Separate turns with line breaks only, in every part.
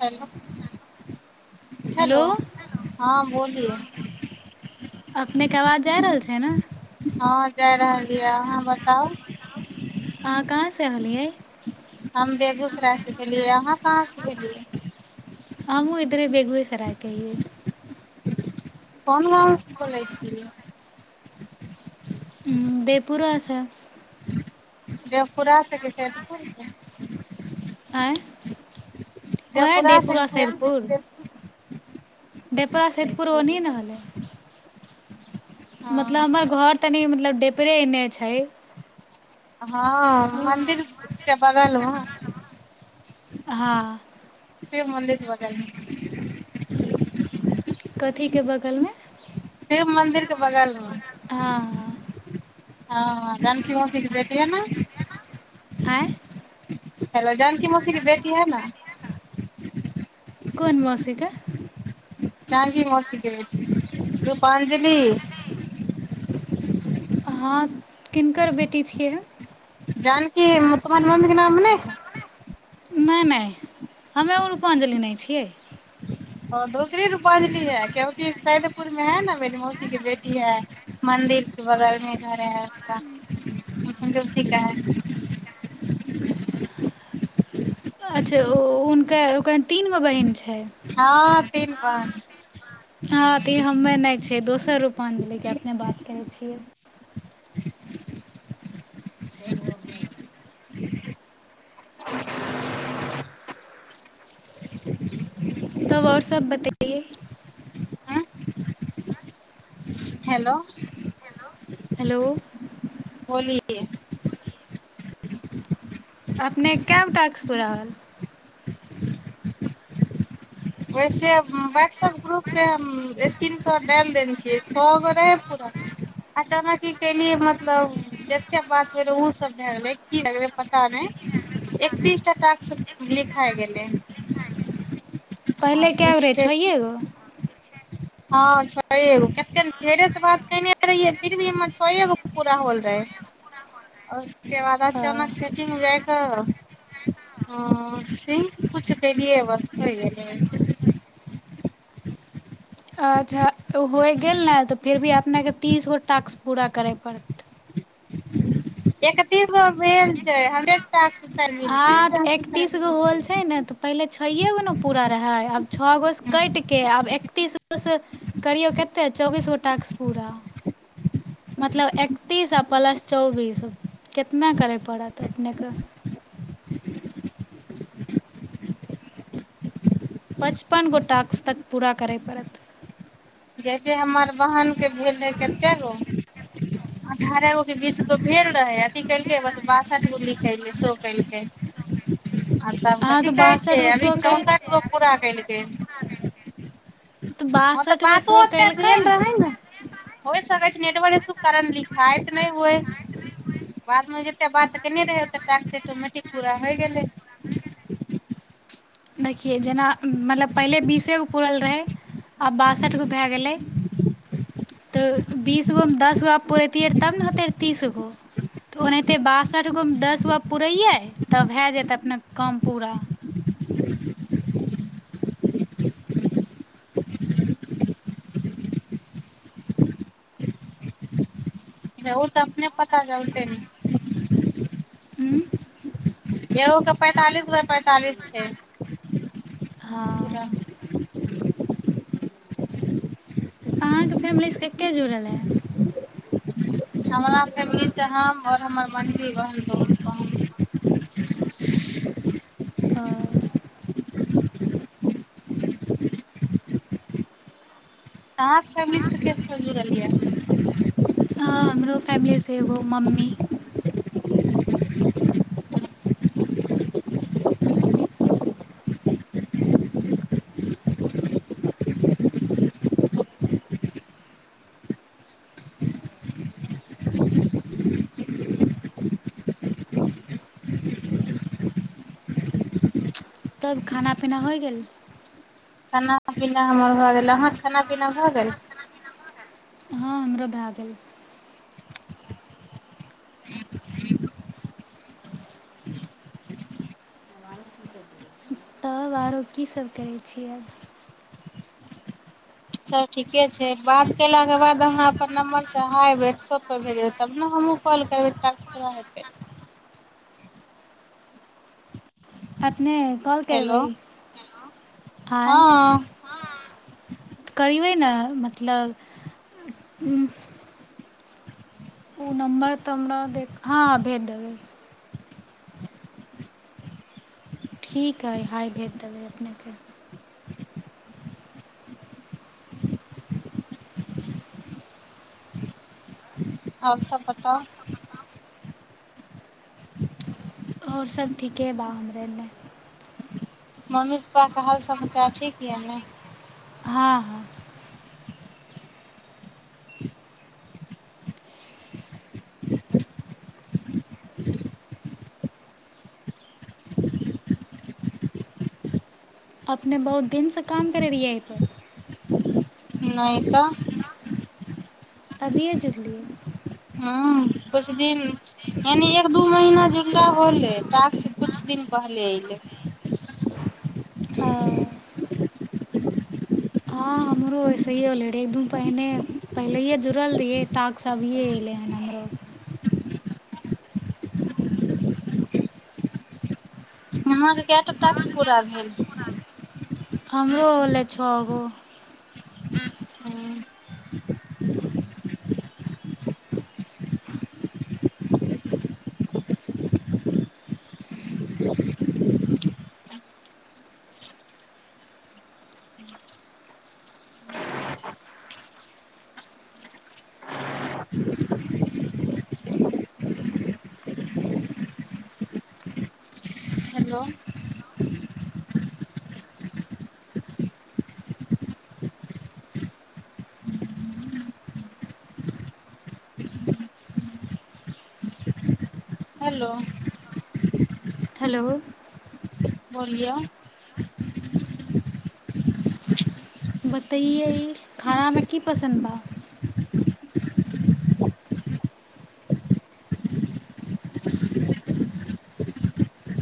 hello
हो
hello हँ बोलिए
अपने के आवाज जा रहल छी है ने
हँ जाय रहलियै अहाँ बताउ ह
अहाँ कहाँसँ एलियै
हम बेगूसराय से गेलियै अहाँ कहाँसँ गेलियै
हमू इरे बगबैसरके
कोन गाँव से बोलै छी
देयपुरा आा
देवपुरा छैके छैदपुर से
नहि
देवपुरा से
वहडेपुरा
कि सैदपुर
सेेदपुर
से
डेपरा सेदपुर ओन् ने होलै मतलब
हँ
हमर घर तऽनी मतलब डेपरे एने छै
हँ मन्दिर च ब गल
हँ
से मन्दिर बगै
कथीके बगलमे
मंदिर के बगलमे
हँ
हँ नन कीत देैटिय ने
आँ
हेलो जानकी मौसी की बेटी है ने
कोन मासिके
ची मस्त रूपाञ्जली
अहाँ किनकर बेटी छियै
जानकी मु तमान ममी के नाम नहि है
नहि नहि हमे ओ रूपाञ्जलि नहि छियै
ओ दूसरी रूपांजलि है क्यंकि सैदपुर में है न ब मौसी के बेटी है मंन्दिर के बगल मे घरे है संतोी का है
अच्छा ओ हुनका ओकररा तीनगो बहिन छै
हँ तन बन
हँ त हममे नहि छै दोस्त स रूपांजलिके अपने बात करै छियै तब वाट्सप बताइए
हूँ हेलो
हेलो
होली
अपने क ्स पराल
ओहिसे व्हाट्सऐप ग्रुपके हम स्क्रीनशॉट डालि देने छियै छओ गो रहै पूरा अचानक ई केलियै मतलब जतेक बात भेल रहै ओसभ भए गेलै की भएै पता नहि एकतीस टा टाक लिखाए गेलै आ
पहिले कैवरेज
किछ
होइएगो
हँ छओ गो कतेक ढेरेसँ बात कने रहियै फिर भी हमर छए गो पूरा होल रहै उसके बाद
हँ
अचानक सेटिंग जा कऽ कछ कलियै बस हो
अच्छा होय गेल ने तऽ फिर भी अपने के तीस गो ट् बूरा करै पड़तै
एकतीस गो भेल छै हंड्रेडिल
एकतीस गो होल छै ने तऽ पहिले छ गो ने पूरा रहे आब छओ गो से कट के आब एकतीस गो करियौ कतेक चौबीस गो टास्क पूरा मतलब एकतीस आ प्लस चौबीस केतना करय पड़त अपनेके पचपन गो टास्क तक पूरा करय पड़त
जैसे हमर बहनके भेल रहै कतेक गो अठारह गो के बीस गो भेल रहै अथी केलकै बस बासठि गो लिखलै सेहो केलकै आ तब
अहाँ तऽ
कथी कहै
बासठ
छै
गो
अभी
शो कैल
चौंसठि गो पूरा कयल गेल
तऽ
तऽ
बासठि गो
बातो
स
ओते
कलकै
भेल रहै
ने
होइ सकै छै नेटव सुख कारण लिखाइत नहि हुए बादमे जतेक बात केयने रहै ओेक ् ऑटोमेटिक पूरा होय गेलै
देखियै जेना मतलब पहिले बीसे गो पूुरल रहै आ बासठ गो भए गेलै तऽ बीस गोमे दस गो पुरैतियैए तब ने होेतै तीस गो तऽ ओनाहिते बासठि गोमे दस गो पुरैयै तब भए जायतै अपने काम पूरा
ओ तऽ अपने पता ल उते ने एगोके पैंतालीस बाय पैंतालिस छै पू
हँ फैमिली सबके के जुड़ल हन
हमरा फैमिलीसँ हम आओर हमर मन्दन्दी बन बहु कह
ओ
अ फम ज रहललियै
हँ हमरो फैमिली सेग मम्मी तब खाना पीना होय गेल
खाना पीना हमर भऽ गेल अहाँके खाना पीना भऽ गेल
हम्रह भए गेल तब आरो कीसभ करै छियैब
चल ठीके छै बात कयलाके बाद अहाँ अपन नम्बरसँ हइ व्हाट्सएपपर भेजबै तब ने हमहूँ कॉल करबै तास थोड़ा हेतै
अपने कॉल
हेलो
करबै आय
ह
तऽ करयबै ने मतलब ओ नमबर तऽ हमरा हँ भेदब ठीक हइ हाय भेज देबै अपनेके
आओर सभ बताउ
आओर सब ठीके बा हमरे ने
मम्मी पप्पा क हाल समाचार ठीक य ने
हँ हँ अपने बहुत दिनसँ काम करैत रहियै एहिपर
नहि तऽ
अभिये जुझलियै
ह किुछु दिन यानि एक दू महीना जुड़ला होलै कुछु दिन पहले
हँ
एऐलै
हँ हमरो ऐसेए होले रह एकदिन पहिने पहिलेे जुड़ल रहिै टाक सब अभिे एले हन हमरो
अहाँर कटा टास्क पूरा भेल
हमरो होलै छहो गो
हेलो हेलो हेलो
हेलो
बोलिौ
बतइए ई खाना हरा की पसन्द बा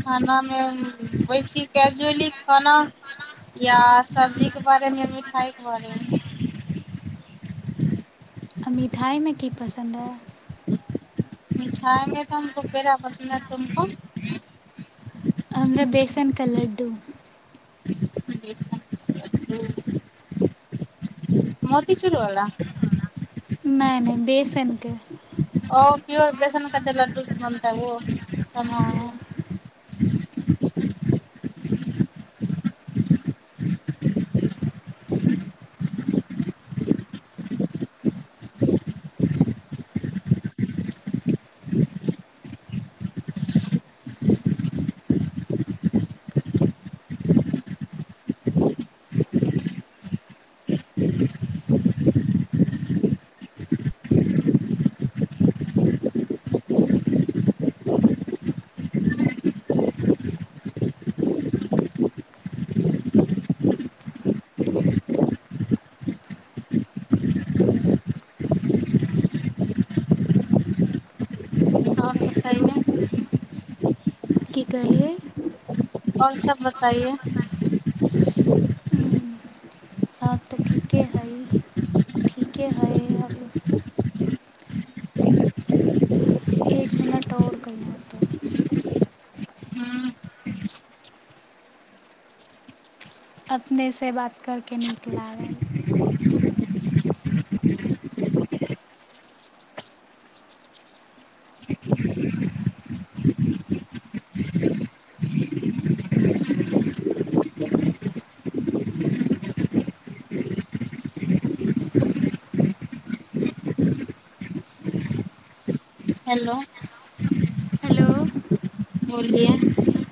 खानामे वैसी कैजुअली खाना या सब्जीके बारेमे मिठाइके बारेमे
आ मिठाइमे की पसन्द अइ
मिठाइमे त हम दुूपेरा पसन्द तमक
हमरा बेसनके लड्डू
ह मोतिचुरवला
न नहि बसनक के
ओ पिोर बेसन क लड्डू बनता
हँ
और बताइए
की कहलियै
आओर सब बताइए
सभ तऽ ठीके हइ ठीके हइ अ एक मिनट आओर कहना तऽ
हूँ
अपनेसँ बात करि कऽ नीक लागल
हेलो
हेलो
बल